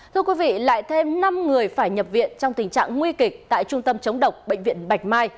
thưa quý vị lại thêm năm người phải nhập viện trong tình trạng nguy kịch tại trung tâm chống độc bệnh viện bạch mai